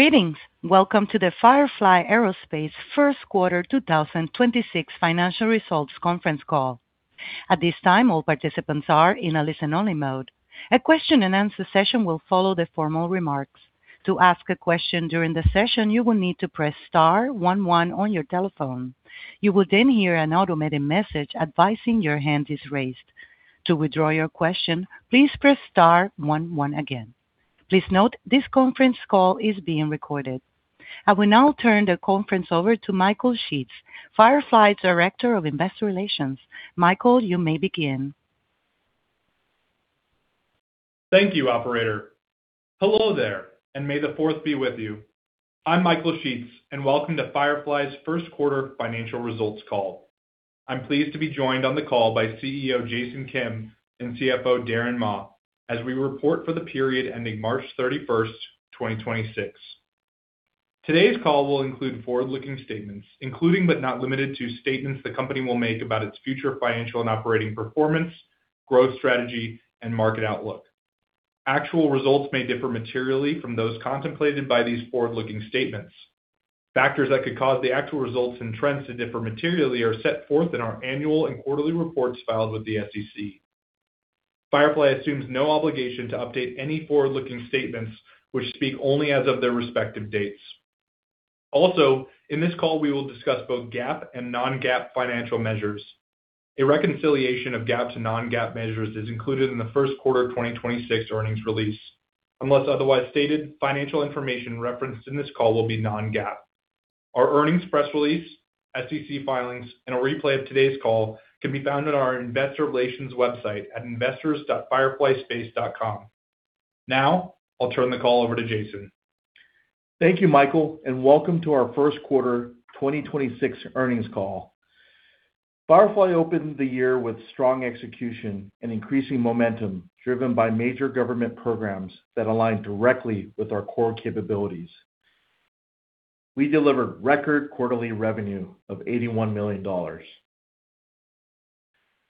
Greetings. Welcome to the Firefly Aerospace first quarter 2026 financial results conference call. I will now turn the conference over to Michael Sheetz, Firefly's Director of Investor Relations. Michael, you may begin. Thank you, operator. Hello there, and May the Fourth be with you. I'm Michael Sheetz. Welcome to Firefly's first quarter financial results call. I'm pleased to be joined on the call by CEO Jason Kim and CFO Darren Ma as we report for the period ending March 31, 2026. Today's call will include forward-looking statements, including but not limited to statements the company will make about its future financial and operating performance, growth strategy, and market outlook. Actual results may differ materially from those contemplated by these forward-looking statements. Factors that could cause the actual results and trends to differ materially are set forth in our annual and quarterly reports filed with the SEC. Firefly assumes no obligation to update any forward-looking statements which speak only as of their respective dates. In this call, we will discuss both GAAP and non-GAAP financial measures. A reconciliation of GAAP to non-GAAP measures is included in the first quarter 2026 earnings release. Unless otherwise stated, financial information referenced in this call will be non-GAAP. Our earnings press release, SEC filings, and a replay of today's call can be found on our investor relations website at investors.fireflyspace.com. Now, I'll turn the call over to Jason. Thank you, Michael, and welcome to our first quarter 2026 earnings call. Firefly opened the year with strong execution and increasing momentum driven by major government programs that align directly with our core capabilities. We delivered record quarterly revenue of $81 million.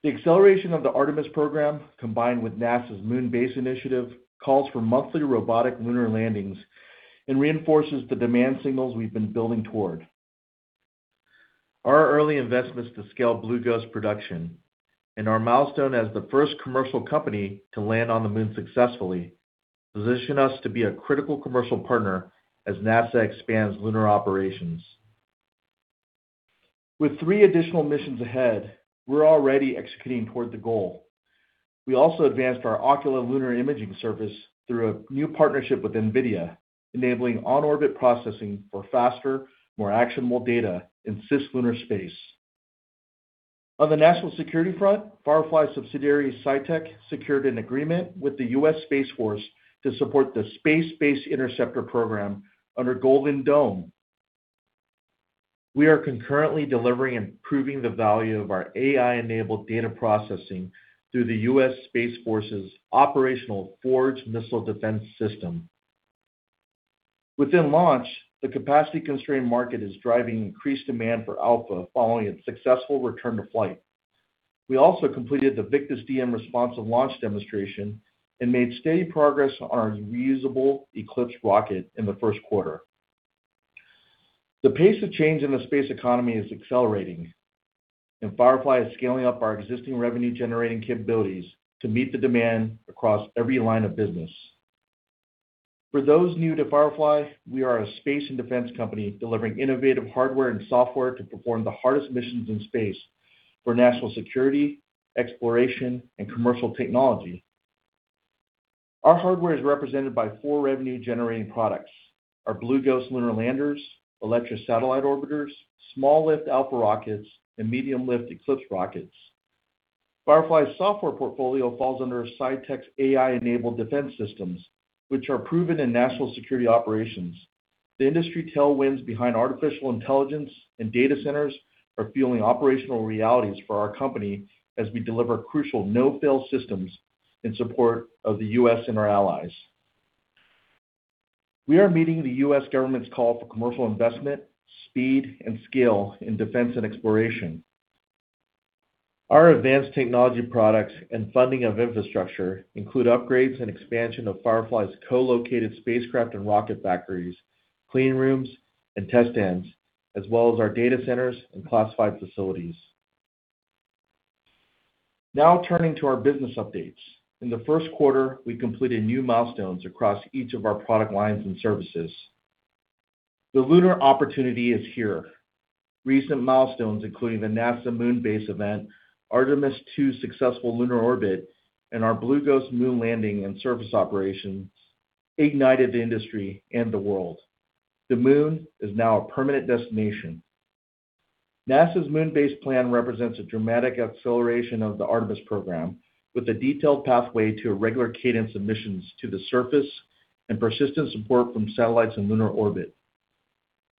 The acceleration of the Artemis program, combined with NASA's Moon Base initiative, calls for monthly robotic lunar landings and reinforces the demand signals we've been building toward. Our early investments to scale Blue Ghost production and our milestone as the first commercial company to land on the Moon successfully position us to be a critical commercial partner as NASA expands lunar operations. With three additional missions ahead, we're already executing toward the goal. We also advanced our Ocula lunar imaging service through a new partnership with NVIDIA, enabling on-orbit processing for faster, more actionable data in cislunar space. On the national security front, Firefly subsidiary SciTec secured an agreement with the U.S. Space Force to support the Space-Based Interceptor program under Golden Dome. We are concurrently delivering and proving the value of our AI-enabled data processing through the U.S. Space Force's operational FORGE missile defense system. Within launch, the capacity-constrained market is driving increased demand for Alpha following its successful return to flight. We also completed the VICTUS DIEM responsive launch demonstration and made steady progress on our reusable Eclipse rocket in the first quarter. The pace of change in the space economy is accelerating, Firefly is scaling up our existing revenue-generating capabilities to meet the demand across every line of business. For those new to Firefly, we are a space and defense company delivering innovative hardware and software to perform the hardest missions in space for national security, exploration, and commercial technology. Our hardware is represented by four revenue-generating products: our Blue Ghost lunar landers, Elytra satellite orbiters, small lift Alpha rockets, and medium lift Eclipse rockets. Firefly's software portfolio falls under SciTec's AI-enabled defense systems, which are proven in national security operations. The industry tailwinds behind artificial intelligence and data centers are fueling operational realities for our company as we deliver crucial no-fail systems in support of the US and our allies. We are meeting the US government's call for commercial investment, speed, and scale in defense and exploration. Our advanced technology products and funding of infrastructure include upgrades and expansion of Firefly's co-located spacecraft and rocket factories, clean rooms, and test stands, as well as our data centers and classified facilities. Now turning to our business updates. In the first quarter, we completed new milestones across each of our product lines and services. The lunar opportunity is here. Recent milestones, including the NASA Moon Base event, Artemis 2 successful lunar orbit, and our Blue Ghost Moon landing and surface operations ignited the industry and the world. The Moon is now a permanent destination. NASA's Moon Base plan represents a dramatic acceleration of the Artemis program with a detailed pathway to a regular cadence of missions to the surface and persistent support from satellites in lunar orbit.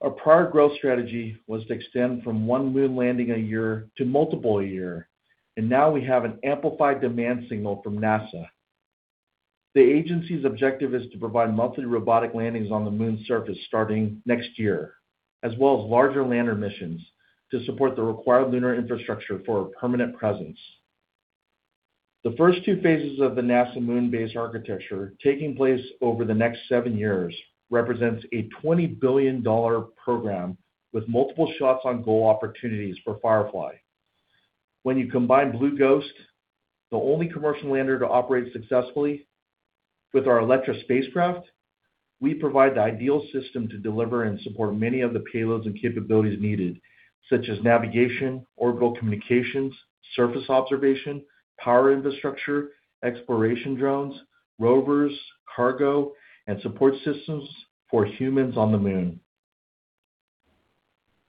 Our prior growth strategy was to extend from 1 Moon landing a year to multiple a year, and now we have an amplified demand signal from NASA. The agency's objective is to provide monthly robotic landings on the Moon's surface starting next year, as well as larger lander missions to support the required lunar infrastructure for a permanent presence. The first two phases of the NASA Moon base architecture taking place over the next seven years represents a $20 billion program with multiple shots on goal opportunities for Firefly. When you combine Blue Ghost, the only commercial lander to operate successfully, with our Elytra spacecraft, we provide the ideal system to deliver and support many of the payloads and capabilities needed, such as navigation, orbital communications, surface observation, power infrastructure, exploration drones, rovers, cargo, and support systems for humans on the Moon.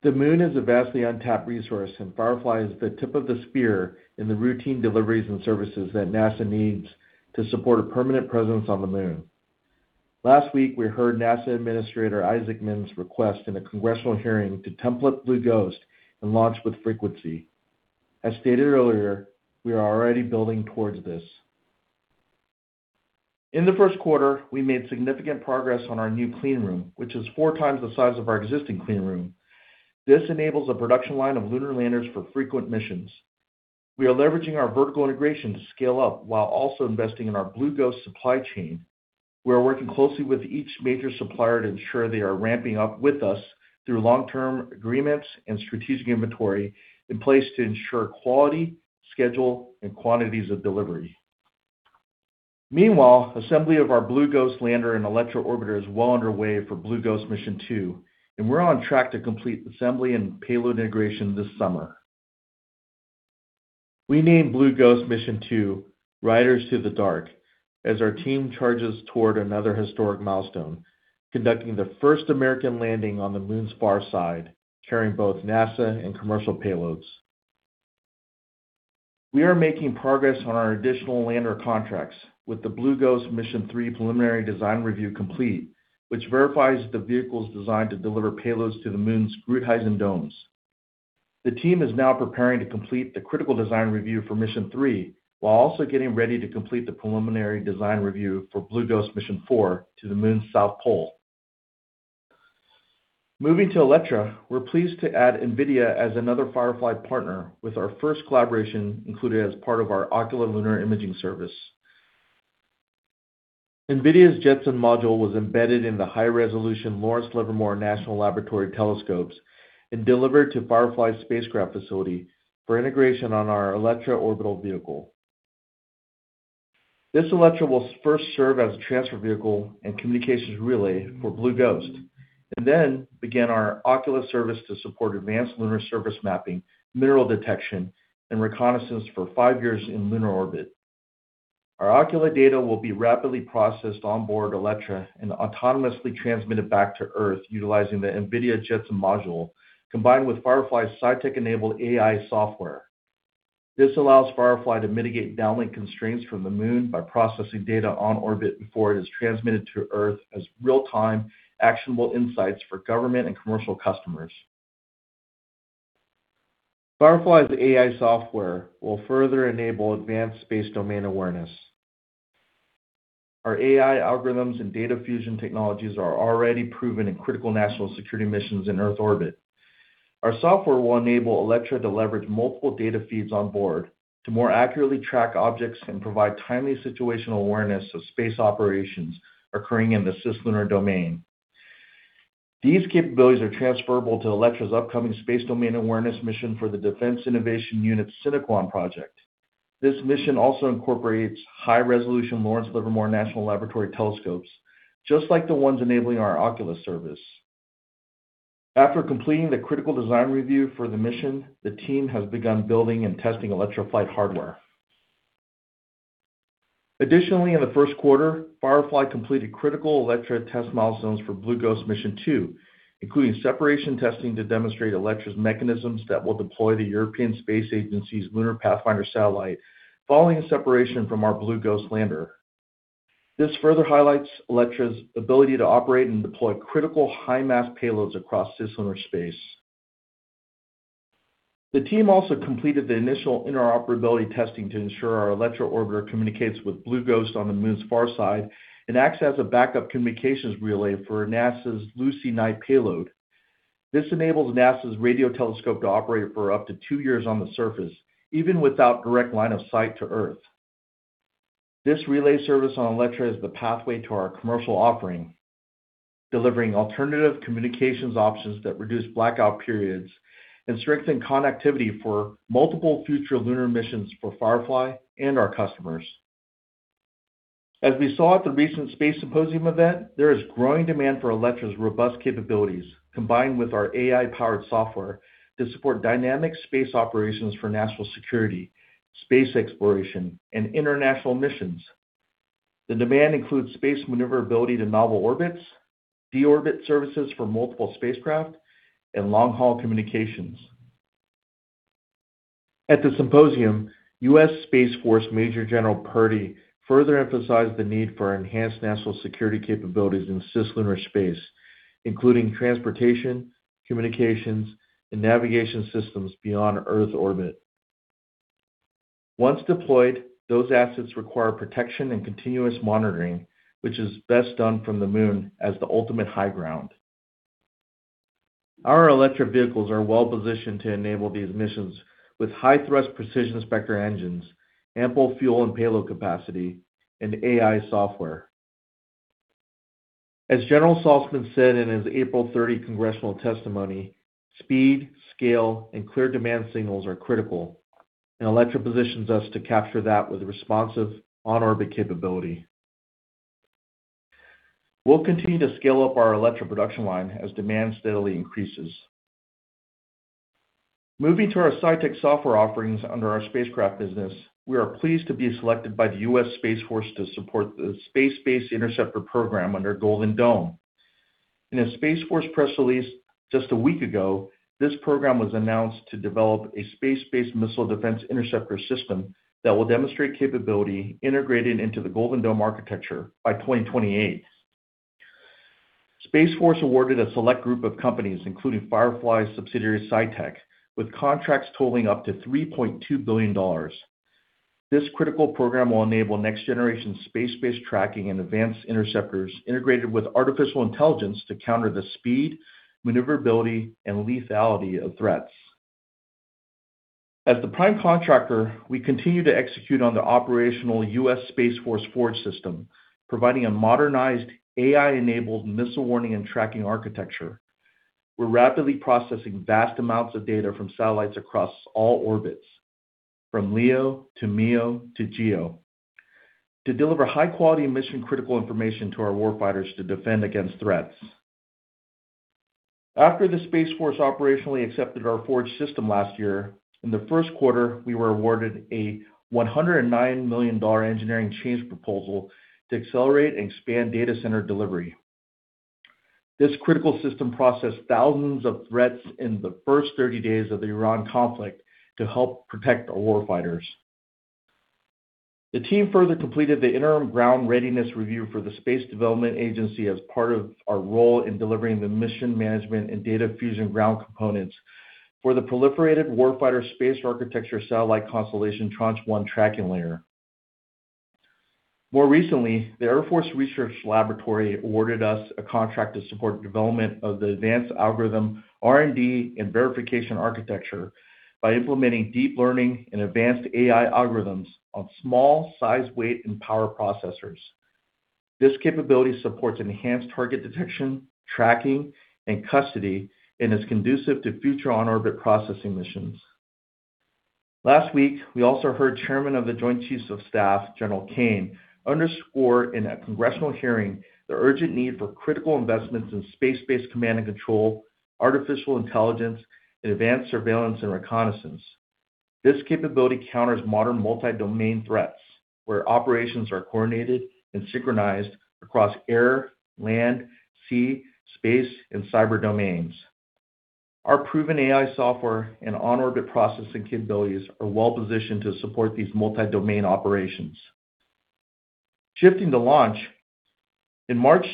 The Moon is a vastly untapped resource, and Firefly is the tip of the spear in the routine deliveries and services that NASA needs to support a permanent presence on the Moon. Last week, we heard NASA Administrator Jared Isaacman's request in a congressional hearing to template Blue Ghost and launch with frequency. As stated earlier, we are already building towards this. In the first quarter, we made significant progress on our new clean room, which is four times the size of our existing clean room. This enables a production line of lunar landers for frequent missions. We are leveraging our vertical integration to scale up while also investing in our Blue Ghost supply chain. We are working closely with each major supplier to ensure they are ramping up with us through long-term agreements and strategic inventory in place to ensure quality, schedule, and quantities of delivery. Meanwhile, assembly of our Blue Ghost lander and Elytra orbiter is well underway for Blue Ghost Mission 2, and we're on track to complete assembly and payload integration this summer. We named Blue Ghost Mission 2, Riders to the Dark, as our team charges toward another historic milestone, conducting the first American landing on the Moon's far side, carrying both NASA and commercial payloads. We are making progress on our additional lander contracts with the Blue Ghost Mission 3 preliminary design review complete, which verifies the vehicle's design to deliver payloads to the Moon's Gruithuisen domes. The team is now preparing to complete the critical design review for Mission 3 while also getting ready to complete the preliminary design review for Blue Ghost Mission 4 to the Moon's South Pole. Moving to Elytra, we're pleased to add NVIDIA as another Firefly partner with our first collaboration included as part of our Ocula lunar imaging service. NVIDIA's Jetson module was embedded in the high-resolution Lawrence Livermore National Laboratory telescopes and delivered to Firefly's spacecraft facility for integration on our Elytra orbital vehicle. This Elytra will first serve as a transfer vehicle and communications relay for Blue Ghost, and then begin our Ocula service to support advanced lunar service mapping, mineral detection, and reconnaissance for five years in lunar orbit. Our Ocula data will be rapidly processed on board Elytra and autonomously transmitted back to Earth utilizing the NVIDIA Jetson module, combined with Firefly's SciTec-enabled AI software. This allows Firefly to mitigate downlink constraints from the Moon by processing data on orbit before it is transmitted to Earth as real-time actionable insights for government and commercial customers. Firefly's AI software will further enable advanced space domain awareness. Our AI algorithms and data fusion technologies are already proven in critical national security missions in Earth orbit. Our software will enable Elytra to leverage multiple data feeds on board to more accurately track objects and provide timely situational awareness of space operations occurring in the cislunar domain. These capabilities are transferable to Elytra's upcoming Space Domain Awareness mission for the Defense Innovation Unit's Sinequone project. This mission also incorporates high-resolution Lawrence Livermore National Laboratory telescopes, just like the ones enabling our Ocula service. After completing the critical design review for the mission, the team has begun building and testing Elytra flight hardware. Additionally, in the first quarter, Firefly completed critical Elytra test milestones for Blue Ghost Mission Two, including separation testing to demonstrate Elytra's mechanisms that will deploy the European Space Agency's Lunar Pathfinder satellite following separation from our Blue Ghost lander. This further highlights Elytra's ability to operate and deploy critical high-mass payloads across cislunar space. The team also completed the initial interoperability testing to ensure our Elytra orbiter communicates with Blue Ghost on the Moon's far side and acts as a backup communications relay for NASA's LuSEE-Night payload. This enables NASA's radio telescope to operate for up to two years on the surface, even without direct line of sight to Earth. This relay service on Elytra is the pathway to our commercial offering, delivering alternative communications options that reduce blackout periods and strengthen connectivity for multiple future lunar missions for Firefly and our customers. As we saw at the recent Space Symposium event, there is growing demand for Elytra's robust capabilities, combined with our AI-powered software to support dynamic space operations for national security, space exploration, and international missions. The demand includes space maneuverability to novel orbits, deorbit services for multiple spacecraft, and long-haul communications. At the symposium, U.S. Space Force Major General Purdy further emphasized the need for enhanced national security capabilities in cislunar space, including transportation, communications, and navigation systems beyond Earth orbit. Once deployed, those assets require protection and continuous monitoring, which is best done from the Moon as the ultimate high ground. Our electric vehicles are well-positioned to enable these missions with high thrust precision vector engines, ample fuel and payload capacity, and AI software. As General Saltzman said in his April 30 congressional testimony, speed, scale, and clear demand signals are critical, and Elytra positions us to capture that with responsive on-orbit capability. We'll continue to scale up our Elytra production line as demand steadily increases. Moving to our SciTec software offerings under our spacecraft business. We are pleased to be selected by the U.S. Space Force to support the Space-Based Interceptor program under Golden Dome. In a U.S. Space Force press release just a week ago, this program was announced to develop a Space-Based Interceptor system that will demonstrate capability integrated into the Golden Dome architecture by 2028. U.S. Space Force awarded a select group of companies, including Firefly subsidiary SciTec, with contracts totaling up to $3.2 billion. This critical program will enable next-generation space-based tracking and advanced interceptors integrated with artificial intelligence to counter the speed, maneuverability, and lethality of threats. As the prime contractor, we continue to execute on the operational U.S. Space Force FORGE system, providing a modernized AI-enabled missile warning and tracking architecture. We're rapidly processing vast amounts of data from satellites across all orbits, from LEO to MEO to GEO, to deliver high-quality mission-critical information to our warfighters to defend against threats. After the U.S. Space Force operationally accepted our FORGE system last year, in the first quarter, we were awarded a $109 million engineering change proposal to accelerate and expand data center delivery. This critical system processed thousands of threats in the first 30 days of the Iran conflict to help protect our warfighters. The team further completed the interim ground readiness review for the Space Development Agency as part of our role in delivering the mission management and data fusion ground components for the Proliferated Warfighter Space Architecture Satellite Constellation Tranche 1 tracking layer. More recently, the Air Force Research Laboratory awarded us a contract to support development of the advanced algorithm R&D and verification architecture by implementing deep learning and advanced AI algorithms on small size, weight, and power processors. This capability supports enhanced target detection, tracking, and custody, and is conducive to future on-orbit processing missions. Last week, we also heard Chairman of the Joint Chiefs of Staff, General Dan Caine, underscore in a congressional hearing the urgent need for critical investments in space-based command and control, artificial intelligence, and advanced surveillance and reconnaissance. This capability counters modern multi-domain threats where operations are coordinated and synchronized across air, land, sea, space, and cyber domains. Our proven AI software and on-orbit processing capabilities are well-positioned to support these multi-domain operations. Shifting to launch. In March,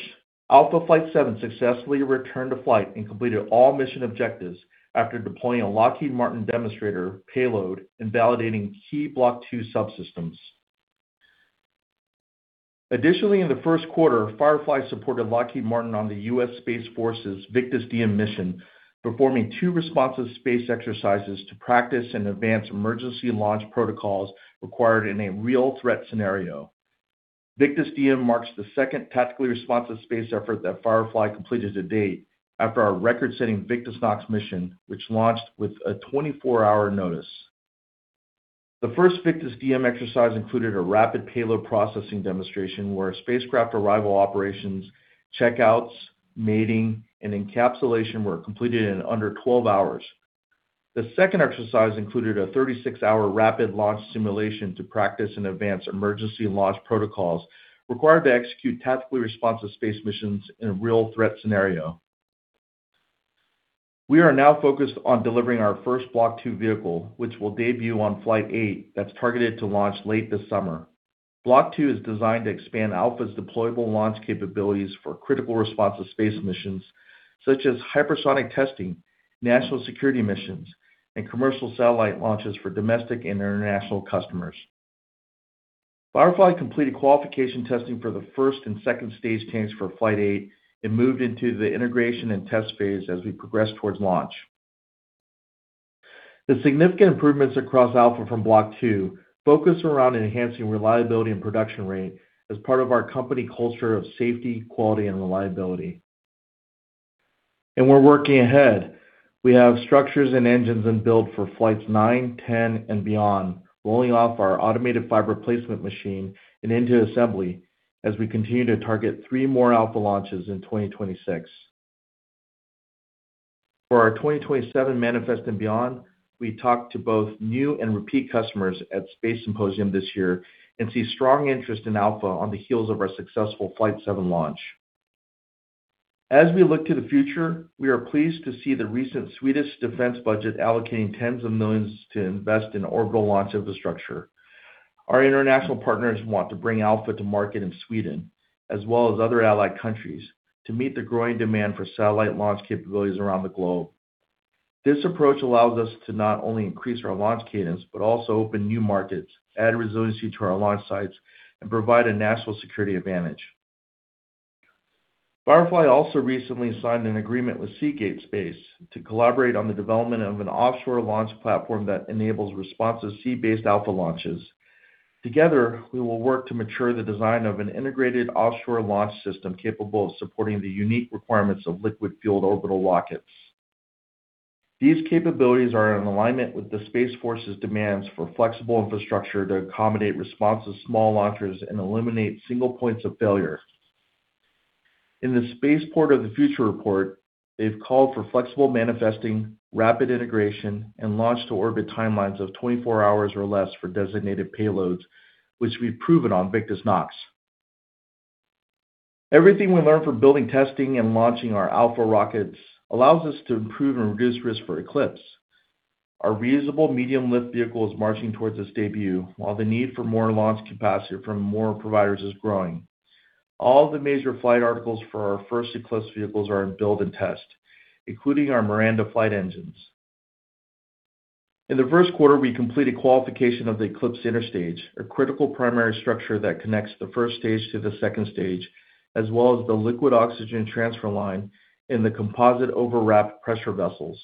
Alpha Flight 7 successfully returned to flight and completed all mission objectives after deploying a Lockheed Martin demonstrator payload and validating key Block II subsystems. Additionally, in the first quarter, Firefly supported Lockheed Martin on the U.S. Space Force's VICTUS DIEM mission, performing two responsive space exercises to practice and advance emergency launch protocols required in a real threat scenario. VICTUS DIEM marks the second tactically responsive space effort that Firefly completed to date after our record-setting VICTUS NOX mission, which launched with a 24-hour notice. The first VICTUS DIEM exercise included a rapid payload processing demonstration where spacecraft arrival operations, checkouts, mating, and encapsulation were completed in under 12 hours. The second exercise included a 36-hour rapid launch simulation to practice and advance emergency launch protocols required to execute tactically responsive space missions in a real threat scenario. We are now focused on delivering our first Block II vehicle, which will debut on Flight 8 that's targeted to launch late this summer. Block II is designed to expand Alpha's deployable launch capabilities for critical responsive space missions such as hypersonic testing, national security missions, and commercial satellite launches for domestic and international customers. Firefly completed qualification testing for the first and second stage chains for Flight 8 and moved into the integration and test phase as we progress towards launch. The significant improvements across Alpha from Block II focus around enhancing reliability and production rate as part of our company culture of safety, quality, and reliability. We're working ahead. We have structures and engines in build for flights nine, 10, and beyond, rolling off our automated fiber placement machine and into assembly as we continue to target three more Alpha launches in 2026. For our 2027 manifest and beyond, we talked to both new and repeat customers at Space Symposium this year and see strong interest in Alpha on the heels of our successful Flight 7 launch. As we look to the future, we are pleased to see the recent Swedish defense budget allocating tens of millions to invest in orbital launch infrastructure. Our international partners want to bring Alpha to market in Sweden, as well as other allied countries, to meet the growing demand for satellite launch capabilities around the globe. This approach allows us to not only increase our launch cadence, but also open new markets, add resiliency to our launch sites, and provide a national security advantage. Firefly also recently signed an agreement with Seagate Space to collaborate on the development of an offshore launch platform that enables responsive sea-based Alpha launches. Together, we will work to mature the design of an integrated offshore launch system capable of supporting the unique requirements of liquid-fueled orbital rockets. These capabilities are in alignment with the Space Force's demands for flexible infrastructure to accommodate responsive small launchers and eliminate single points of failure. In the Spaceport of the Future report, they've called for flexible manifesting, rapid integration, and launch to orbit timelines of 24 hours or less for designated payloads, which we've proven on VICTUS NOX. Everything we learned from building, testing, and launching our Alpha rockets allows us to improve and reduce risk for Eclipse. Our reusable medium-lift vehicle is marching towards its debut, while the need for more launch capacity from more providers is growing. All the major flight articles for our first Eclipse vehicles are in build and test, including our Miranda flight engines. In the first quarter, we completed qualification of the Eclipse interstage, a critical primary structure that connects the first stage to the second stage, as well as the liquid oxygen transfer line and the composite overwrap pressure vessels.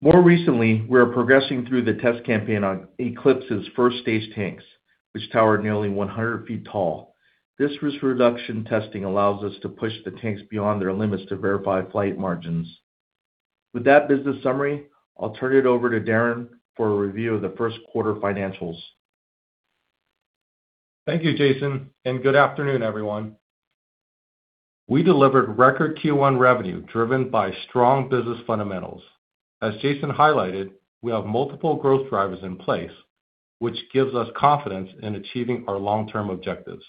More recently, we are progressing through the test campaign on Eclipse's first stage tanks, which tower nearly 100 feet tall. This risk reduction testing allows us to push the tanks beyond their limits to verify flight margins. With that business summary, I'll turn it over to Darren for a review of the first quarter financials. Thank you, Jason, and good afternoon, everyone. We delivered record Q1 revenue driven by strong business fundamentals. As Jason highlighted, we have multiple growth drivers in place, which gives us confidence in achieving our long-term objectives.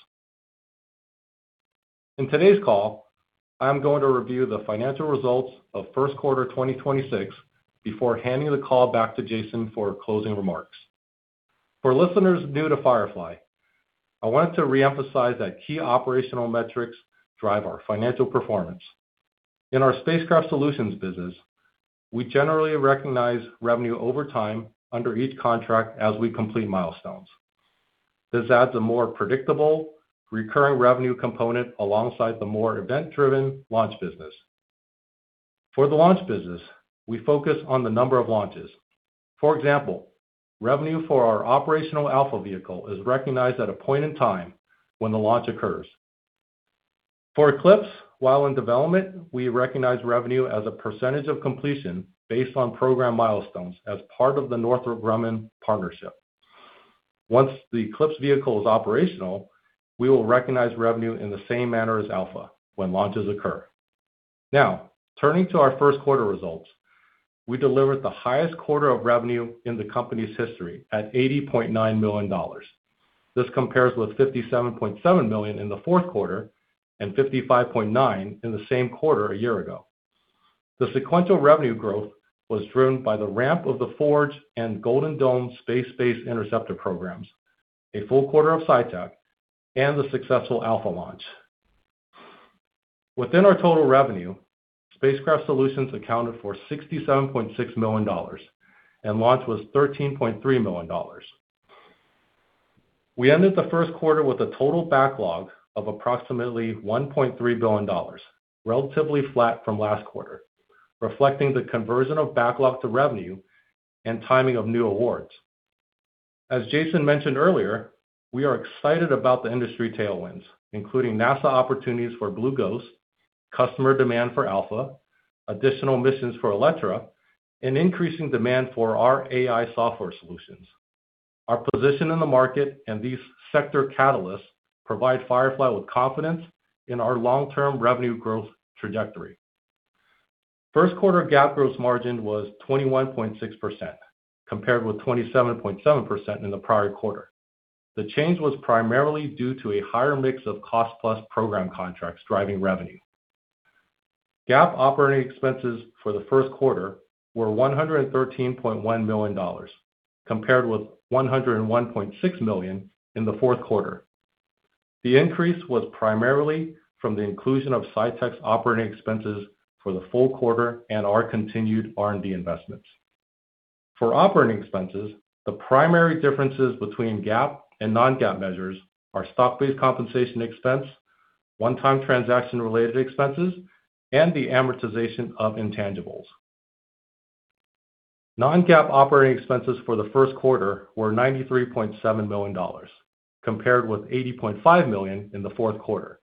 In today's call, I am going to review the financial results of first quarter 2026 before handing the call back to Jason for closing remarks. For listeners new to Firefly, I want to reemphasize that key operational metrics drive our financial performance. In our spacecraft solutions business, we generally recognize revenue over time under each contract as we complete milestones. This adds a more predictable, recurring revenue component alongside the more event-driven launch business. For the launch business, we focus on the number of launches. For example, revenue for our operational Alpha vehicle is recognized at a point in time when the launch occurs. For Eclipse, while in development, we recognize revenue as a percentage of completion based on program milestones as part of the Northrop Grumman partnership. Once the Eclipse vehicle is operational, we will recognize revenue in the same manner as Alpha when launches occur. Turning to our first quarter results. We delivered the highest quarter of revenue in the company's history at $80.9 million. This compares with $57.7 million in the fourth quarter and $55.9 million in the same quarter a year ago. The sequential revenue growth was driven by the ramp of the FORGE and Golden Dome Space-Based Interceptor programs, a full quarter of SciTec, and the successful Alpha launch. Within our total revenue, spacecraft solutions accounted for $67.6 million and launch was $13.3 million. We ended the first quarter with a total backlog of approximately $1.3 billion, relatively flat from last quarter, reflecting the conversion of backlog to revenue and timing of new awards. As Jason mentioned earlier, we are excited about the industry tailwinds, including NASA opportunities for Blue Ghost, customer demand for Alpha, additional missions for Elytra, and increasing demand for our AI software solutions. Our position in the market and these sector catalysts provide Firefly with confidence in our long-term revenue growth trajectory. First quarter GAAP gross margin was 21.6%, compared with 27.7% in the prior quarter. The change was primarily due to a higher mix of cost plus program contracts driving revenue. GAAP operating expenses for the first quarter were $113.1 million, compared with $101.6 million in the fourth quarter. The increase was primarily from the inclusion of SciTec's operating expenses for the full quarter and our continued R&D investments. For operating expenses, the primary differences between GAAP and non-GAAP measures are stock-based compensation expense, one-time transaction-related expenses, and the amortization of intangibles. Non-GAAP operating expenses for the first quarter were $93.7 million, compared with $80.5 million in the fourth quarter.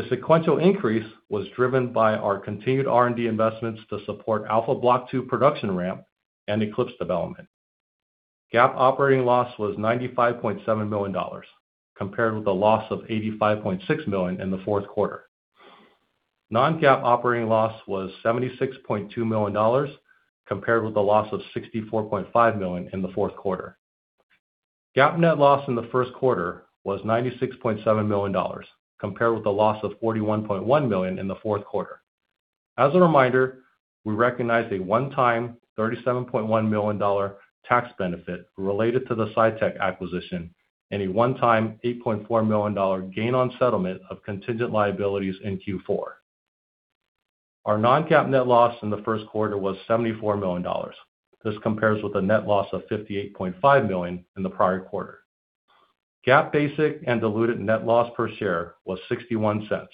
The sequential increase was driven by our continued R&D investments to support Alpha Block II production ramp and Eclipse development. GAAP operating loss was $95.7 million, compared with a loss of $85.6 million in the fourth quarter. Non-GAAP operating loss was $76.2 million, compared with a loss of $64.5 million in the fourth quarter. GAAP net loss in the first quarter was $96.7 million, compared with a loss of $41.1 million in the fourth quarter. As a reminder, we recognized a one-time $37.1 million tax benefit related to the SciTec acquisition. A one-time $8.4 million gain on settlement of contingent liabilities in Q4. Our non-GAAP net loss in the first quarter was $74 million. This compares with a net loss of $58.5 million in the prior quarter. GAAP basic and diluted net loss per share was $0.61,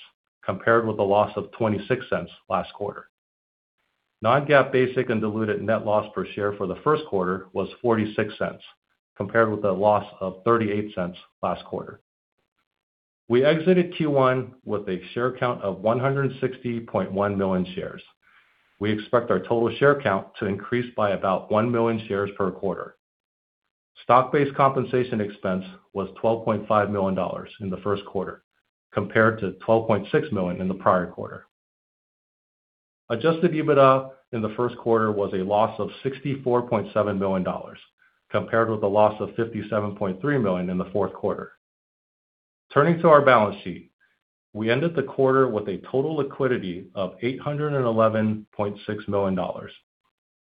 compared with a loss of $0.26 last quarter. Non-GAAP basic and diluted net loss per share for the first quarter was $0.46, compared with a loss of $0.38 last quarter. We exited Q1 with a share count of 160.1 million shares. We expect our total share count to increase by about 1 million shares per quarter. Stock-based compensation expense was $12.5 million in the first quarter, compared to $12.6 million in the prior quarter. Adjusted EBITDA in the first quarter was a loss of $64.7 million, compared with a loss of $57.3 million in the fourth quarter. Turning to our balance sheet. We ended the quarter with a total liquidity of $811.6 million,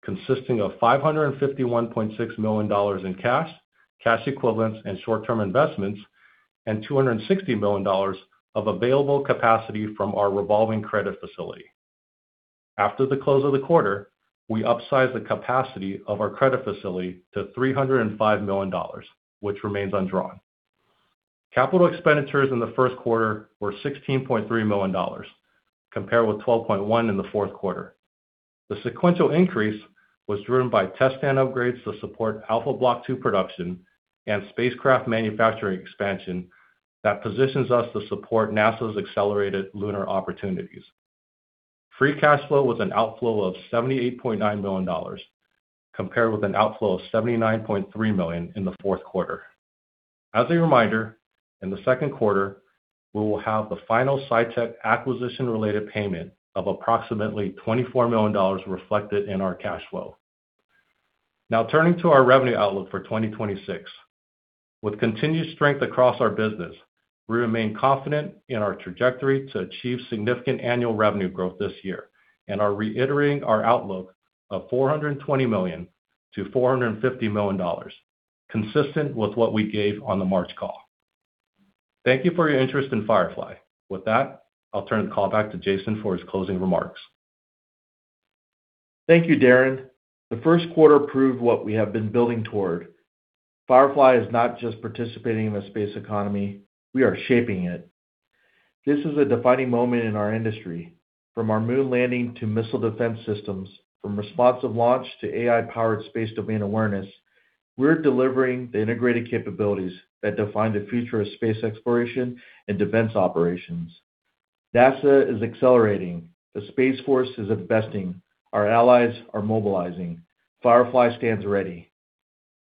consisting of $551.6 million in cash equivalents and short-term investments, and $260 million of available capacity from our revolving credit facility. After the close of the quarter, we upsized the capacity of our credit facility to $305 million, which remains undrawn. Capital expenditures in the first quarter were $16.3 million, compared with $12.1 million in the fourth quarter. The sequential increase was driven by test stand upgrades to support Alpha Block II production and spacecraft manufacturing expansion that positions us to support NASA's accelerated lunar opportunities. Free cash flow was an outflow of $78.9 million, compared with an outflow of $79.3 million in the fourth quarter. As a reminder, in the second quarter, we will have the final SciTec acquisition-related payment of approximately $24 million reflected in our cash flow. Now turning to our revenue outlook for 2026. With continued strength across our business, we remain confident in our trajectory to achieve significant annual revenue growth this year and are reiterating our outlook of $420 million-$450 million, consistent with what we gave on the March call. Thank you for your interest in Firefly. With that, I'll turn the call back to Jason for his closing remarks. Thank you, Darren. The first quarter proved what we have been building toward. Firefly is not just participating in the space economy, we are shaping it. This is a defining moment in our industry. From our moon landing to missile defense systems, from responsive launch to AI-powered space domain awareness, we're delivering the integrated capabilities that define the future of space exploration and defense operations. NASA is accelerating. The Space Force is investing. Our allies are mobilizing. Firefly stands ready.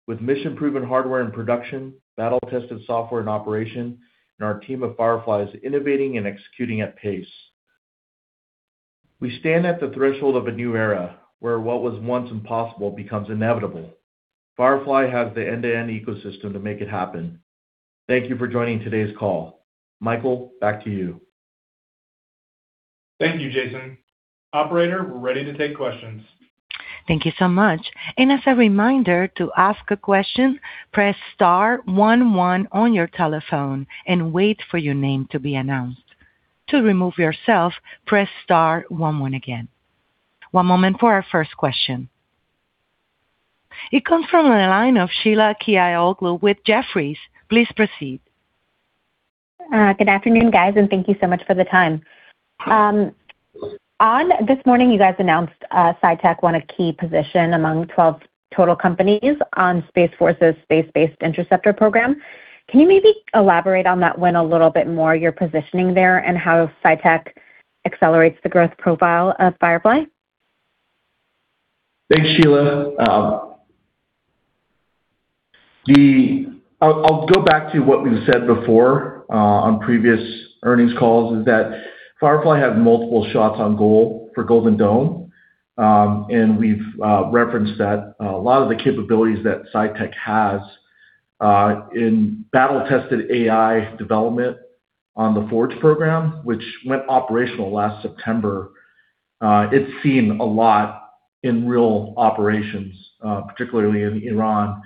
With mission-proven hardware and production, battle-tested software and operation, and our team of Firefly is innovating and executing at pace. We stand at the threshold of a new era, where what was once impossible becomes inevitable. Firefly has the end-to-end ecosystem to make it happen. Thank you for joining today's call. Michael, back to you. Thank you, Jason. Operator, we are ready to take questions. Thank you so much. As a reminder to ask a question, press star one one on your telephone and wait for your name to be announced. To remove yourself, press star one one again. One moment for our first question. It comes from the line of Sheila Kahyaoglu with Jefferies. Please proceed. Good afternoon, guys, and thank you so much for the time. This morning, you guys announced, SciTec won a key position among 12 total companies on Space Force's Space-Based Interceptor program. Can you maybe elaborate on that win a little bit more, your positioning there, and how SciTec accelerates the growth profile of Firefly Aerospace? Thanks, Sheila. I'll go back to what we've said before on previous earnings calls, is that Firefly has multiple shots on goal for Golden Dome. We've referenced that a lot of the capabilities that SciTec has in battle-tested AI development on the FORGE program, which went operational last September. It's seen a lot in real operations, particularly in Iran.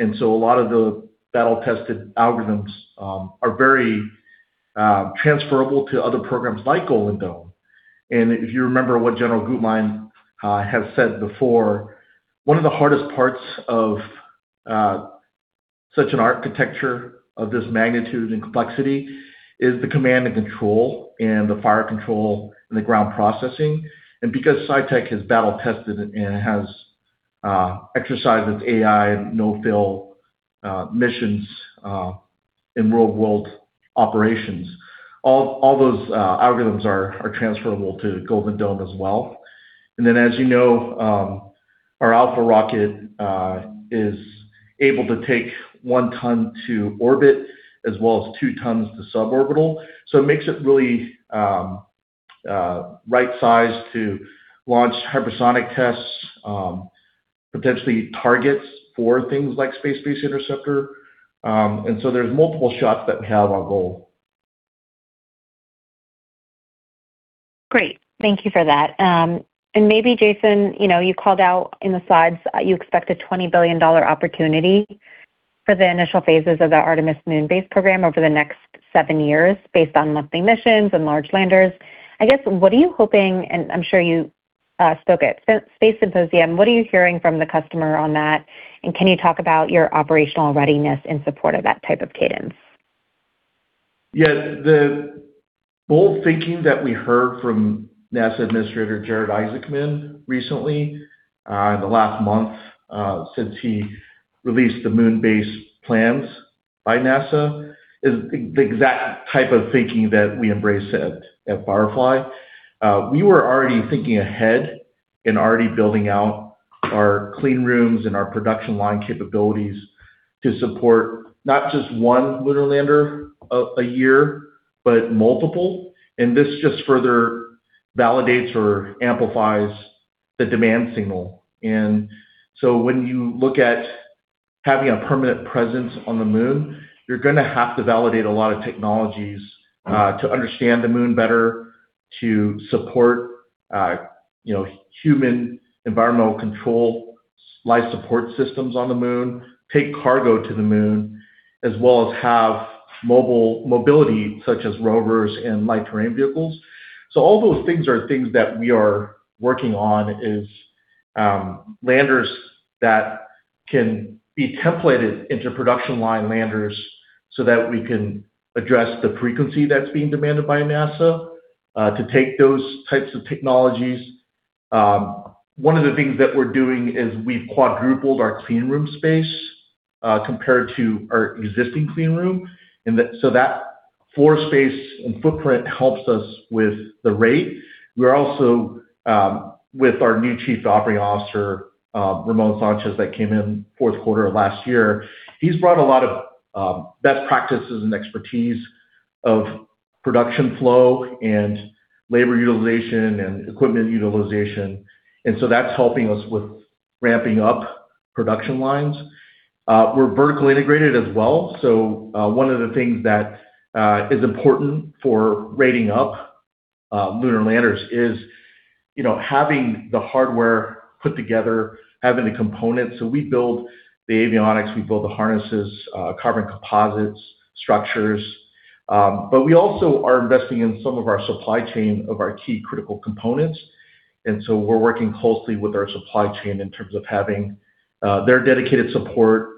A lot of the battle-tested algorithms are very transferable to other programs like Golden Dome. If you remember what General Guetlein has said before, one of the hardest parts of such an architecture of this magnitude and complexity is the command and control and the fire control and the ground processing. Because SciTec has battle-tested it and has exercises AI no-fill missions in real-world operations, all those algorithms are transferable to Golden Dome as well. As you know, our Alpha rocket is able to take 1 ton to orbit as well as 2 tons to suborbital. It makes it really right size to launch hypersonic tests, potentially targets for things like Space-Based Interceptor. There's multiple shots that we have on goal. Great. Thank you for that. Maybe Jason, you know, you called out in the slides, you expect a $20 billion opportunity for the initial phases of the Artemis moon base program over the next seven years based on monthly missions and large landers. I guess, what are you hoping, and I'm sure you spoke at Space Symposium, what are you hearing from the customer on that? Can you talk about your operational readiness in support of that type of cadence? Yeah. The bold thinking that we heard from NASA Administrator Jared Isaacman recently, in the last month, since he released the moon base plans by NASA, is the exact type of thinking that we embrace at Firefly. We were already thinking ahead and already building out our clean rooms and our production line capabilities to support not just one lunar lander a year, but multiple. This just further validates or amplifies the demand signal. When you look at having a permanent presence on the moon, you're gonna have to validate a lot of technologies, to understand the moon better, to support, you know, human environmental control, life support systems on the moon, take cargo to the moon, as well as have mobility, such as rovers and light terrain vehicles. All those things are things that we are working on is, landers that can be templated into production line landers so that we can address the frequency that's being demanded by NASA to take those types of technologies. One of the things that we're doing is we've quadrupled our clean room space compared to our existing clean room. That floor space and footprint helps us with the rate. We're also with our new Chief Operating Officer, Ramon Sanchez, that came in fourth quarter of last year. He's brought a lot of best practices and expertise of production flow and labor utilization and equipment utilization. We're vertically integrated as well. One of the things that is important for rating up lunar landers is, you know, having the hardware put together, having the components. We build the avionics, we build the harnesses, carbon composites structures. We also are investing in some of our supply chain of our key critical components. We're working closely with our supply chain in terms of having their dedicated support,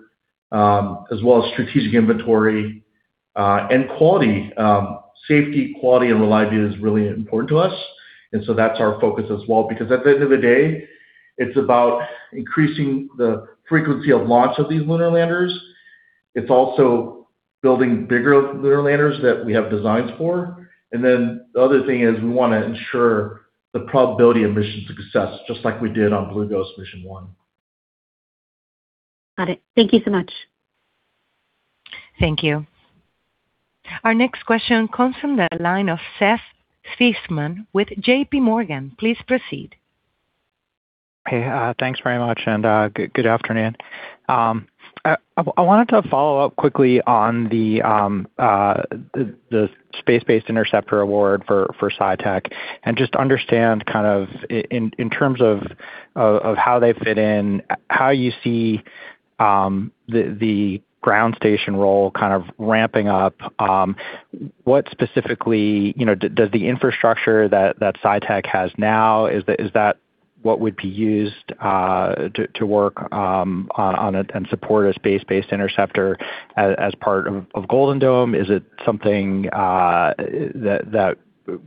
as well as strategic inventory, and quality. Safety, quality, and reliability is really important to us, and so that's our focus as well. At the end of the day, it's about increasing the frequency of launch of these lunar landers. It's also building bigger lunar landers that we have designs for. The other thing is we wanna ensure the probability of mission success, just like we did on Blue Ghost Mission 1. Got it. Thank you so much. Thank you. Our next question comes from the line of Seth Seifman with JPMorgan. Please proceed. Hey, thanks very much and good afternoon. I wanted to follow up quickly on the Space-Based Interceptor award for SciTec and just understand kind of in terms of how they fit in, how you see the ground station role kind of ramping up. What specifically, you know, does the infrastructure that SciTec has now, is that what would be used to work and support a Space-Based Interceptor as part of Golden Dome? Is it something that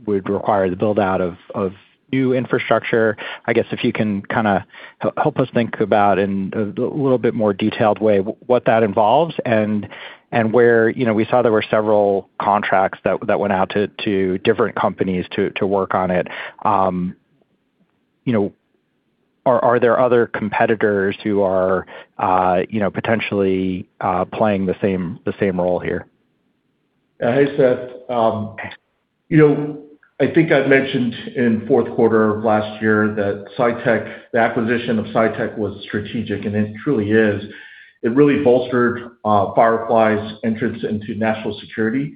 would require the build-out of new infrastructure? I guess if you can kinda help us think about in a little bit more detailed way what that involves and where, you know, we saw there were several contracts that went out to different companies to work on it. You know, are there other competitors who are, you know, potentially, playing the same role here? Hey, Seth. You know, I think I've mentioned in fourth quarter of last year that SciTec, the acquisition of SciTec was strategic, and it truly is. It really bolstered Firefly's entrance into national security.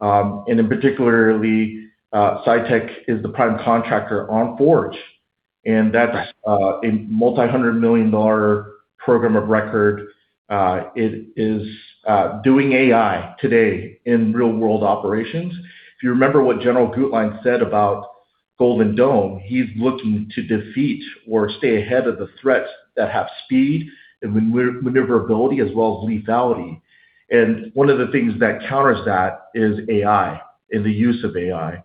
And in particularly, SciTec is the prime contractor on FORGE, and that's a multi-hundred million dollar program of record. It is doing AI today in real-world operations. If you remember what General Guetlein said about Golden Dome, he's looking to defeat or stay ahead of the threats that have speed and maneuverability as well as lethality. One of the things that counters that is AI and the use of AI.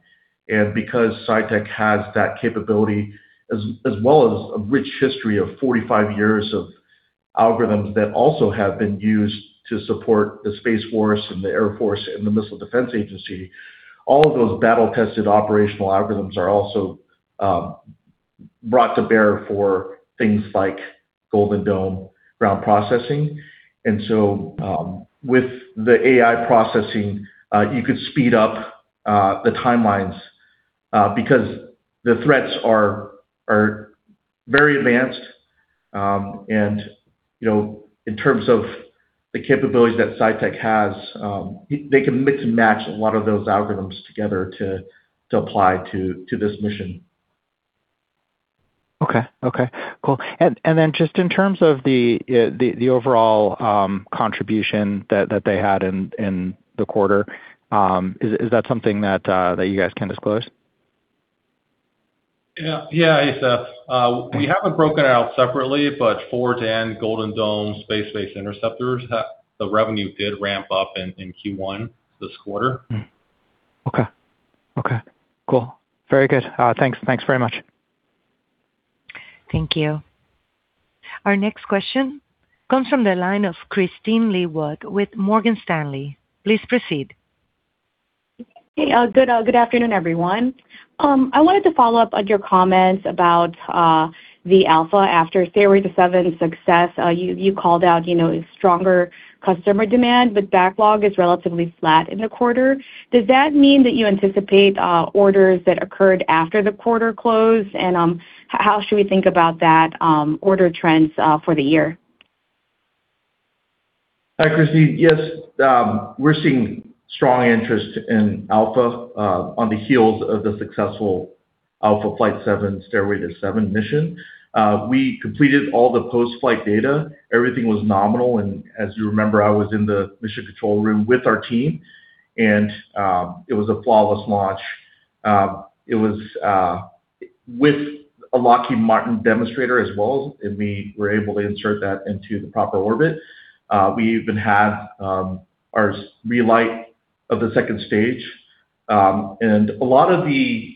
Because SciTec has that capability as well as a rich history of 45 years of algorithms that also have been used to support the U.S. Space Force and the Air Force and the Missile Defense Agency. All of those battle-tested operational algorithms are also brought to bear for things like Golden Dome ground processing. With the AI processing, you could speed up the timelines because the threats are very advanced. You know, in terms of the capabilities that SciTec has, they can mix and match a lot of those algorithms together to apply to this mission. Okay. Okay, cool. Then just in terms of the overall contribution that they had in the quarter, is that something that you guys can disclose? Yeah. Yeah, Asa. We haven't broken it out separately, but for Dan, Golden Dome, Space-Based Interceptors, the revenue did ramp up in Q1 this quarter. Okay. Okay, cool. Very good. Thanks. Thanks very much. Thank you. Our next question comes from the line of Kristine Liwag with Morgan Stanley. Please proceed. Hey, good afternoon, everyone. I wanted to follow up on your comments about the Alpha after Stairway to Seven success. You called out, you know, stronger customer demand, but backlog is relatively flat in the quarter. Does that mean that you anticipate orders that occurred after the quarter close? How should we think about that order trends for the year? Hi, Kristine. Yes, we're seeing strong interest in Alpha on the heels of the successful Alpha Flight 7 Stairway to Seven mission. We completed all the post-flight data. Everything was nominal. As you remember, I was in the mission control room with our team, and it was a flawless launch. It was with a Lockheed Martin demonstrator as well, and we were able to insert that into the proper orbit. We even had our relight of the stage two. A lot of the,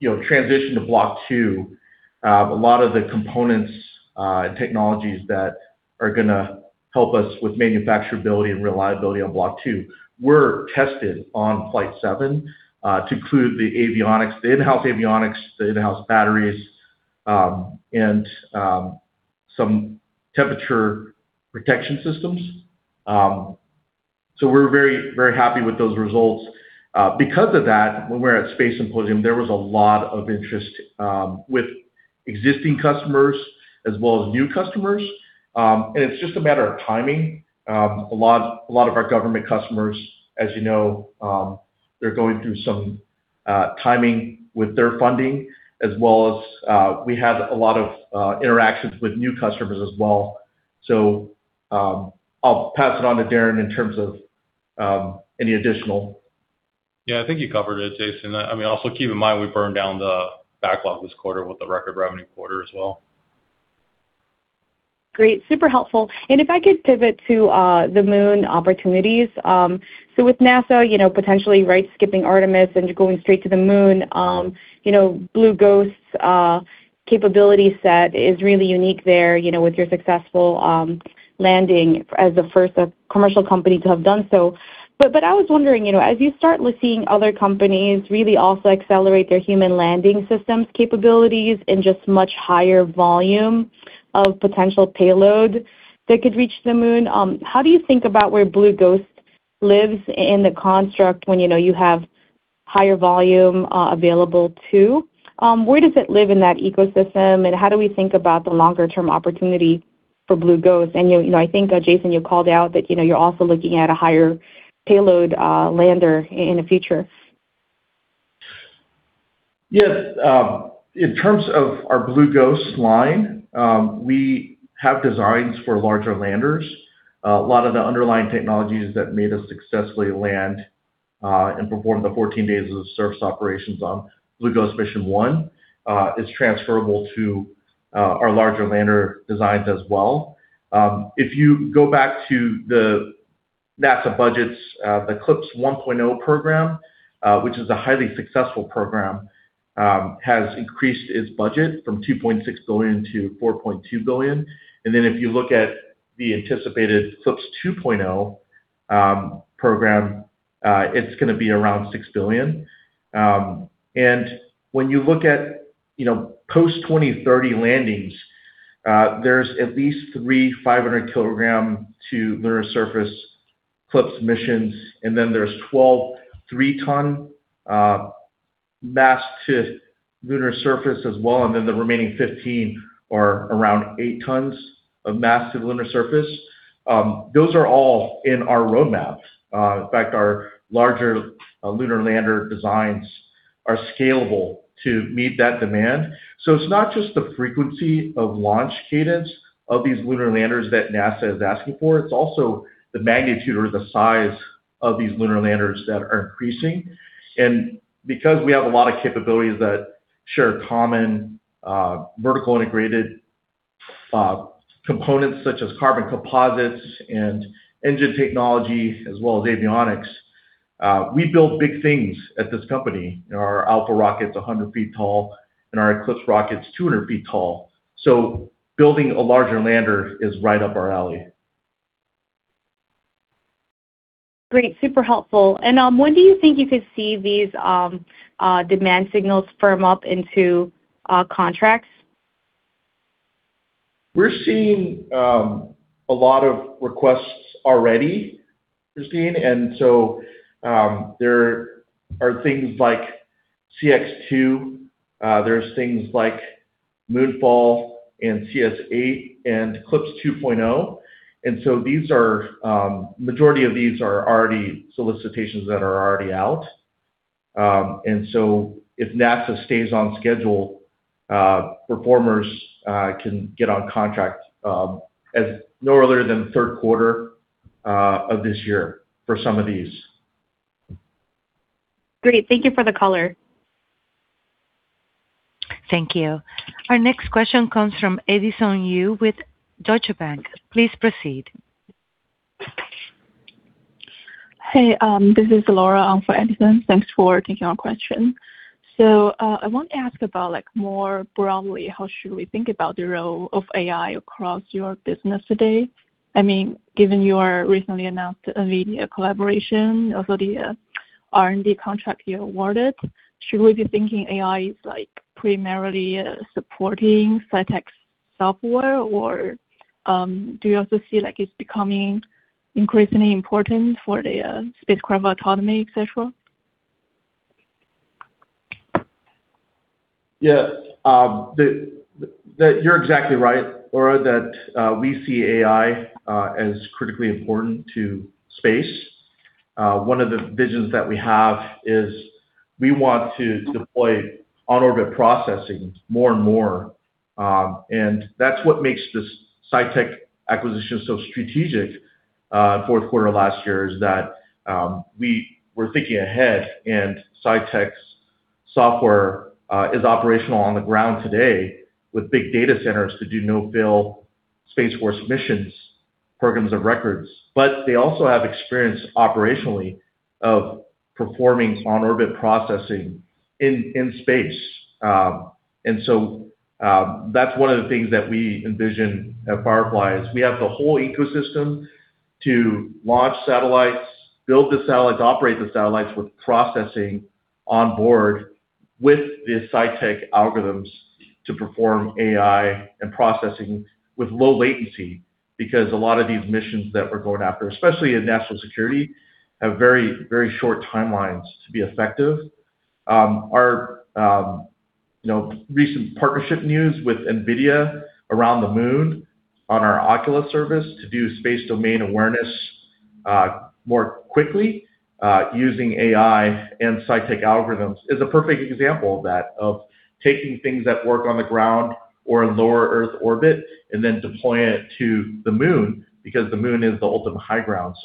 you know, transition to Block II, a lot of the components, technologies that are gonna help us with manufacturability and reliability on Block II were tested on Flight 7, to include the avionics, the in-house avionics, the in-house batteries, and some temperature protection systems. We're very, very happy with those results. Because of that, when we were at Space Symposium, there was a lot of interest with existing customers as well as new customers. It's just a matter of timing. A lot of our government customers, as you know, they're going through some timing with their funding as well as we have a lot of interactions with new customers as well. I'll pass it on to Darren in terms of any additional. Yeah, I think you covered it, Jason. I mean, also keep in mind we burned down the backlog this quarter with the record revenue quarter as well. Great. Super helpful. If I could pivot to the Moon opportunities. With NASA, you know, potentially, right, skipping Artemis and going straight to the Moon, you know, Blue Ghost's capability set is really unique there, you know, with your successful landing as the first commercial company to have done so. I was wondering, you know, as you start seeing other companies really also accelerate their human landing systems capabilities and just much higher volume of potential payload that could reach the Moon, how do you think about where Blue Ghost lives in the construct when you know you have higher volume available too? Where does it live in that ecosystem, how do we think about the longer term opportunity for Blue Ghost? You know, I think, Jason, you called out that, you know, you're also looking at a higher payload, lander in the future. Yes. In terms of our Blue Ghost line, we have designs for larger landers. A lot of the underlying technologies that made us successfully land and perform the 14 days of the surface operations on Blue Ghost Mission One is transferable to our larger lander designs as well. If you go back to the NASA budgets, the CLPS 1.0 program, which is a highly successful program, has increased its budget from $2.6 billion to $4.2 billion. If you look at the anticipated CLPS 2.0 program, it's gonna be around $6 billion. When you look at, you know, post-2030 landings, there's at least 3 500 kilogram to lunar surface CLPS missions, and then there's 12, 3 ton mass to lunar surface as well, and then the remaining 15 are around 8 tons of mass to the lunar surface. Those are all in our roadmaps. In fact, our larger lunar lander designs are scalable to meet that demand. It's not just the frequency of launch cadence of these lunar landers that NASA is asking for, it's also the magnitude or the size of these lunar landers that are increasing. Because we have a lot of capabilities that share common vertical integrated components such as carbon composites and engine technology as well as avionics, we build big things at this company. Our Alpha rocket's 100 feet tall and our Eclipse rocket's 200 feet tall. Building a larger lander is right up our alley. Great. Super helpful. When do you think you could see these demand signals firm up into contracts? We're seeing a lot of requests already, Kristine. There are things like CX-2, there's things like Moonfall and CS-8 and CLPS 2.0. These are, majority of these are already solicitations that are already out. If NASA stays on schedule, performers can get on contract as no earlier than third quarter of this year for some of these. Great. Thank you for the color. Thank you. Our next question comes from Edison Yu with Deutsche Bank. Please proceed. Hey, this is Laura on for Edison. Thanks for taking our question. I want to ask about, like more broadly, how should we think about the role of AI across your business today? I mean, given your recently announced NVIDIA collaboration as well the R&D contract you awarded, should we be thinking AI is like primarily supporting SciTec software or do you also see like it's becoming increasingly important for the spacecraft autonomy, et cetera? Yeah. You're exactly right, Laura, that we see AI as critically important to space. One of the visions that we have is we want to deploy on-orbit processing more and more. That's what makes this SciTec acquisition so strategic in fourth quarter last year, is that we were thinking ahead and SciTec's software is operational on the ground today with big data centers to do no bill U.S. Space Force missions, programs of records. They also have experience operationally of performing on-orbit processing in space. That's one of the things that we envision at Firefly is we have the whole ecosystem to launch satellites, build the satellites, operate the satellites with processing on board, with the SciTec algorithms to perform AI and processing with low latency. A lot of these missions that we're going after, especially in national security, have very, very short timelines to be effective. Our, you know, recent partnership news with NVIDIA around the Moon on our Ocula service to do space domain awareness, more quickly, using AI and SciTec algorithms is a perfect example of that, of taking things that work on the ground or in lower Earth orbit and then deploying it to the Moon, because the Moon is the ultimate high ground.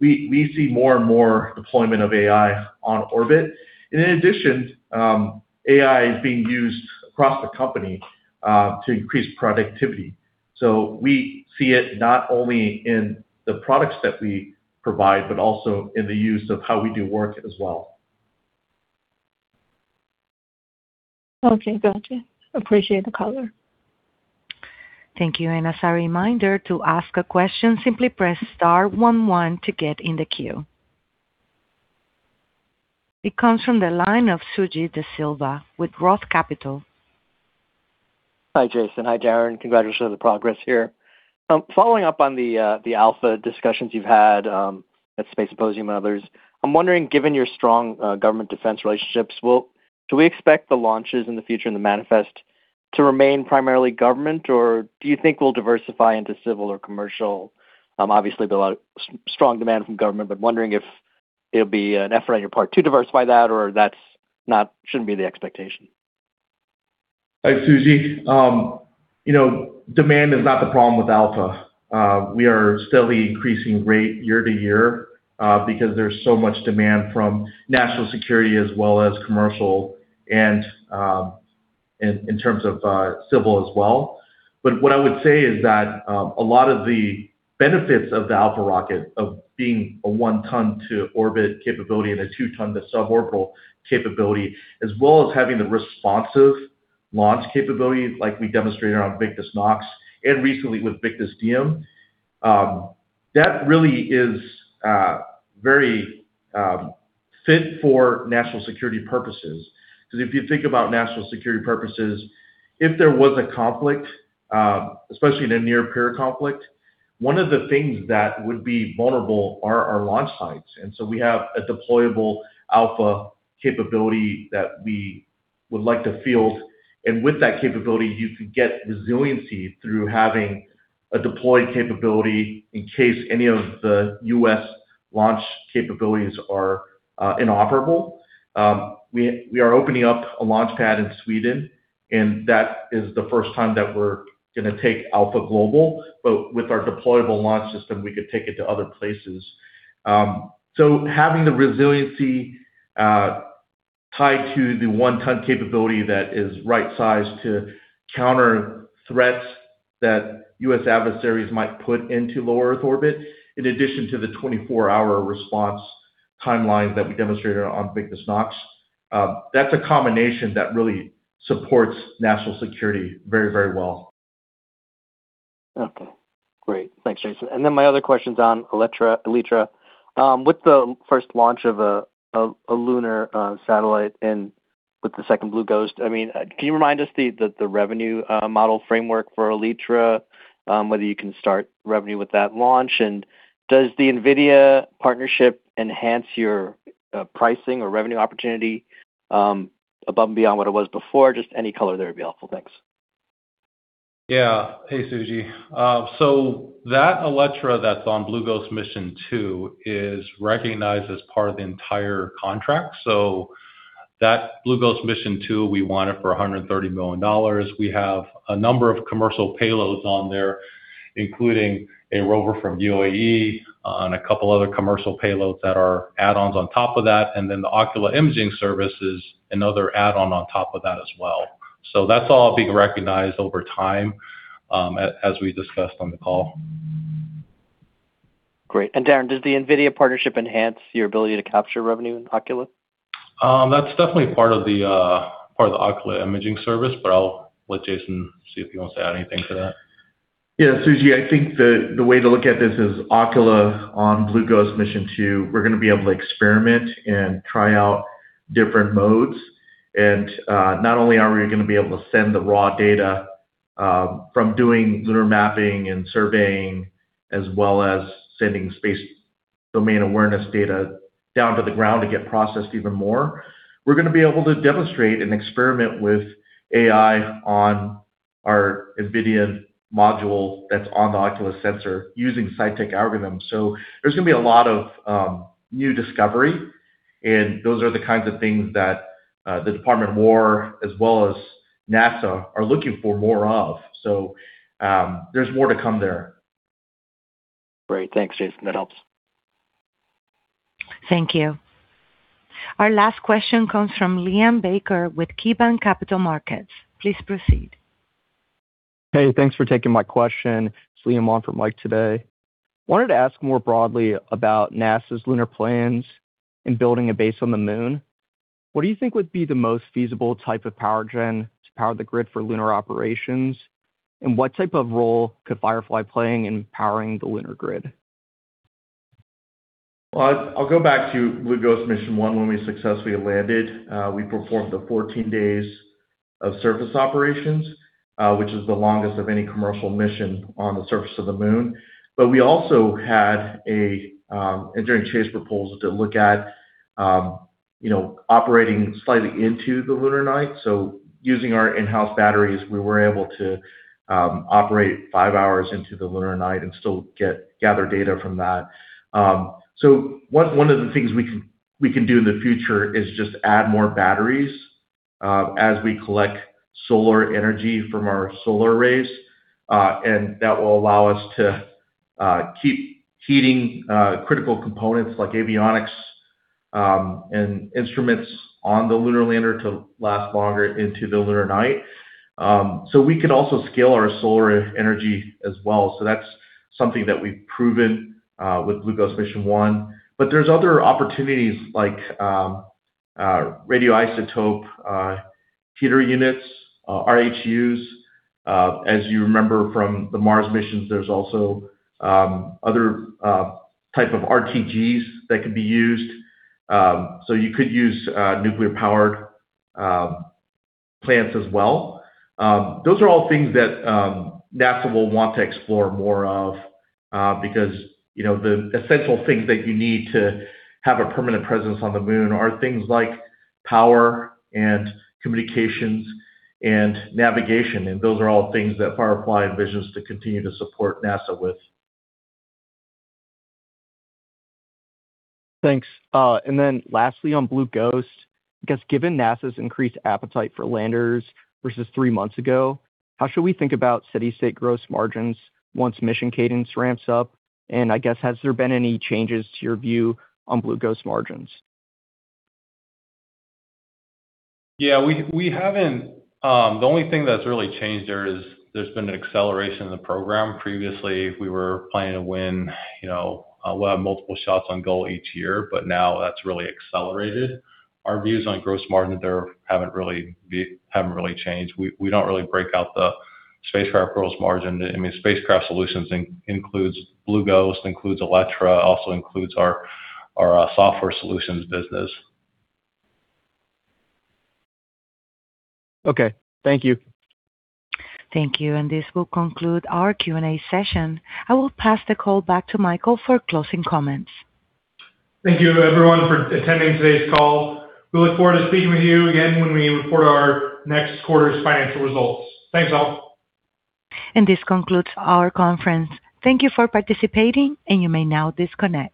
We see more and more deployment of AI on orbit. In addition, AI is being used across the company to increase productivity. We see it not only in the products that we provide, but also in the use of how we do work as well. Okay. Gotcha. Appreciate the color. Thank you. As a reminder to ask a question, simply press star one one to get in the queue. It comes from the line of Sujeeva De Silva with Roth Capital. Hi, Jason. Hi, Darren. Congratulations on the progress here. Following up on the Alpha discussions you've had at Space Symposium and others. I'm wondering, given your strong government defense relationships, do we expect the launches in the future in the manifest to remain primarily government, or do you think we'll diversify into civil or commercial? Obviously there are a lot of strong demand from government, but wondering if it'll be an effort on your part to diversify that or shouldn't be the expectation. Hi, Sujeeva. You know, demand is not the problem with Alpha. We are steadily increasing rate year to year because there's so much demand from national security as well as commercial and, in terms of, civil as well. What I would say is that a lot of the benefits of the Alpha rocket of being a 1 ton to orbit capability and a 2 ton to suborbital capability, as well as having the responsive launch capability like we demonstrated on VICTUS NOX and recently with VICTUS DIEM. That really is very fit for national security purposes. Because if you think about national security purposes, if there was a conflict, especially in a near peer conflict, one of the things that would be vulnerable are our launch sites. We have a deployable Alpha capability that we would like to field. With that capability, you could get resiliency through having a deployed capability in case any of the U.S. launch capabilities are inoperable. We are opening up a launch pad in Sweden, and that is the first time that we're gonna take Alpha global. With our deployable launch system, we could take it to other places. Having the resiliency tied to the 1 ton capability that is right sized to counter threats that U.S. adversaries might put into lower Earth orbit, in addition to the 24-hour response timeline that we demonstrated on VICTUS NOX. That's a combination that really supports national security very, very well. Okay. Great. Thanks, Jason. My other question's on Elytra. With the first launch of a lunar satellite and with the second Blue Ghost, I mean, can you remind us the revenue model framework for Elytra? Whether you can start revenue with that launch? Does the NVIDIA partnership enhance your pricing or revenue opportunity above and beyond what it was before? Just any color there would be helpful. Thanks. Yeah. Hey, Sujeeva. That Elytra that's on Blue Ghost Mission 2 is recognized as part of the entire contract. That Blue Ghost Mission 2, we won it for $130 million. We have a number of commercial payloads on there, including a rover from UAE and two other commercial payloads that are add-ons on top of that. The Ocula imaging service is another add-on on top of that as well. That's all being recognized over time, as we discussed on the call. Great. Darren, does the NVIDIA partnership enhance your ability to capture revenue in Ocula? That's definitely part of the Ocula imaging service, but I'll let Jason see if he wants to add anything to that. Yeah, Sujeeva, I think the way to look at this is Ocula on Blue Ghost Mission Two, we're gonna be able to experiment and try out different modes. Not only are we gonna be able to send the raw data from doing lunar mapping and surveying, as well as sending space domain awareness data down to the ground to get processed even more. We're gonna be able to demonstrate and experiment with AI on our NVIDIA module that's on the Ocula sensor using SciTec algorithms. There's gonna be a lot of new discovery. Those are the kinds of things that the Department of Defense as well as NASA are looking for more of. There's more to come there. Great. Thanks, Jason. That helps. Thank you. Our last question comes from Liam Baker with KeyBanc Capital Markets. Please proceed. Hey, thanks for taking my question. It's Dan on for Mike today. I wanted to ask more broadly about NASA's lunar plans in building a base on the Moon. What do you think would be the most feasible type of power gen to power the grid for lunar operations? What type of role could Firefly play in empowering the lunar grid? I'll go back to Blue Ghost Mission One when we successfully landed. We performed the 14 days of surface operations, which is the longest of any commercial mission on the surface of the Moon. We also had a engineering chase proposal to look at, you know, operating slightly into the lunar night. Using our in-house batteries, we were able to operate 5 hours into the lunar night and still gather data from that. One of the things we can do in the future is just add more batteries, as we collect solar energy from our solar arrays. That will allow us to keep heating critical components like avionics and instruments on the lunar lander to last longer into the lunar night. We can also scale our solar energy as well. That's something that we've proven with Blue Ghost Mission 1. There's other opportunities like radioisotope heater units, RHUs. As you remember from the Mars missions, there's also other type of RTGs that could be used. You could use nuclear-powered plants as well. Those are all things that NASA will want to explore more of because, you know, the essential things that you need to have a permanent presence on the Moon are things like power and communications and navigation. Those are all things that Firefly envisions to continue to support NASA with. Thanks. Lastly, on Blue Ghost, I guess given NASA's increased appetite for landers versus three months ago, how should we think about steady state gross margins once mission cadence ramps up? I guess, has there been any changes to your view on Blue Ghost margins? Yeah. The only thing that's really changed there is there's been an acceleration in the program. Previously, we were planning to win, you know, we'll have multiple shots on goal each year, but now that's really accelerated. Our views on gross margin there haven't really changed. We don't really break out the spacecraft gross margin. I mean, spacecraft solutions includes Blue Ghost, includes Elytra, also includes our software solutions business. Okay. Thank you. Thank you. This will conclude our Q&A session. I will pass the call back to Michael for closing comments. Thank you everyone for attending today's call. We look forward to speaking with you again when we report our next quarter's financial results. Thanks, all. This concludes our conference. Thank you for participating, and you may now disconnect.